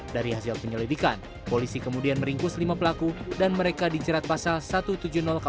dari hasil penyelidikan polisi kemudian meringkus lima pelaku dan mereka dicerat pasal satu ratus tujuh puluh kw